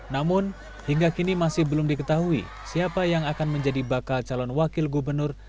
namun hingga kini masih belum diketahui siapa yang akan menjadi bakal calon wakil gubernur